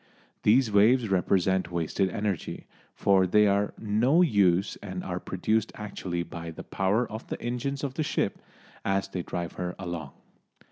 These waves represent wasted energy, for they are no use and are produced actually by the power of the engines of the ship as they drive her along.